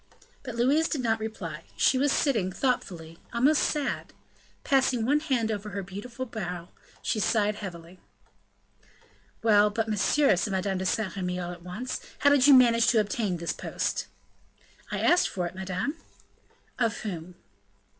But Louise did not reply; she was sitting, thoughtfully, almost sad; passing one had over her beautiful brow, she sighed heavily. "Well, but, monsieur," said Madame de Saint Remy, all at once, "how did you manage to obtain this post?" "I asked for it, madame." "Of whom?"